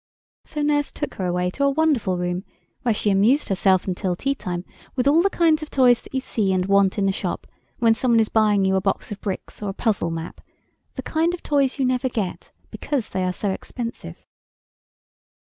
So nurse took her away to a wonderful room, where she amused herself till tea time with all the kind of toys that you see and want in the shop when some one is buying you a box of bricks or a puzzle map—the kind of toys you never get because they are so expensive.